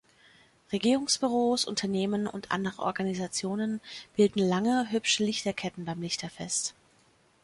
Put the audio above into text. Regierungsbüros, Unternehmen und andere Organisationen bilden lange hübsche Lichterketten beim Lichterfest.